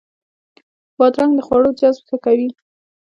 بادرنګ د خوړو جذب ښه کوي.